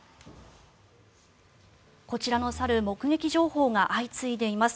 こちらの猿目撃情報が相次いでいます。